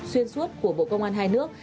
xuyên suốt của bộ công an hai nước